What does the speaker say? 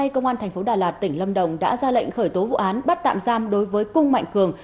công an thành phố đà lạt tỉnh lâm đồng đã ra lệnh khởi tố vụ án bắt tạm giam đối với cung mạnh cường